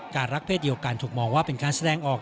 รักเศษเดียวกันถูกมองว่าเป็นการแสดงออก